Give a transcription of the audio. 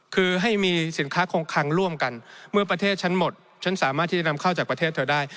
คือให้มีสินค้าคงคังร่วมกันเมื่อประเทศฉันหมดฉันสามารถที่จะนำเข้าจากประเทศเธอได้